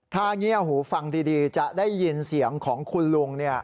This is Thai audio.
ถ้าเงียบหูฟังดีจะได้ยินเสียงของคุณลุง